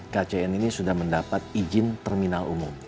kcn ini sudah mendapat izin terminal umum